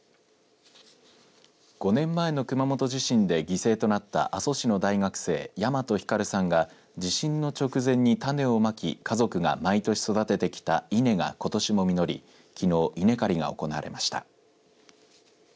５年前の熊本地震で犠牲となった阿蘇市の大学生大和晃さんが地震の直前に種をまき家族が毎年育ててきた稲がことしも実りきのう、稲刈りが行われました。